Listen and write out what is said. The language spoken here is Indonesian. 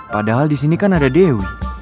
padahal disini kan ada dewi